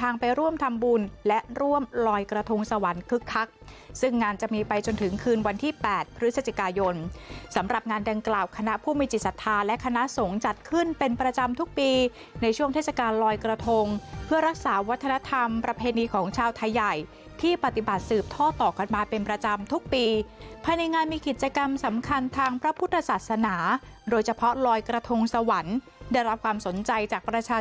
ในงานดังกล่าวคณะผู้มีจิตศรัทธาและคณะสงฆ์จัดขึ้นเป็นประจำทุกปีในช่วงเทศกาลลอยกระทงเพื่อรักษาวัฒนธรรมประเพดีของชาวไทยใหญ่ที่ปฏิบัติสืบท่อต่อกันมาเป็นประจำทุกปีภายในงานมีกิจกรรมสำคัญทางพระพุทธศาสนาโดยเฉพาะลอยกระทงสวรรค์ได้รับความสนใจจากประชา